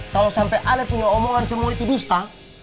kalau sampai ada punya omongan semua itu dusta